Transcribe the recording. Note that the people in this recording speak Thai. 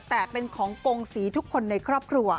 แต่เป็นของกงศรีทุกคนในครอบครัว